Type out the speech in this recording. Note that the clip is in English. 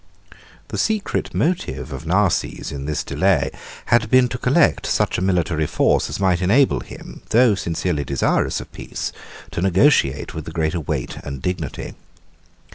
The secret motive of Narses, in this delay, had been to collect such a military force as might enable him, though sincerely desirous of peace, to negotiate with the greater weight and dignity.